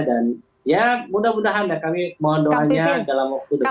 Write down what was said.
dan ya mudah mudahan ya kami mohon doanya dalam waktu dekat ini